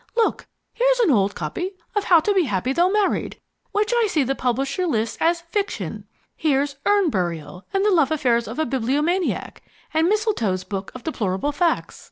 Look, here's an old copy of How to Be Happy Though Married, which I see the publisher lists as 'Fiction.' Here's Urn Burial, and The Love Affairs of a Bibliomaniac, and Mistletoe's Book of Deplorable Facts.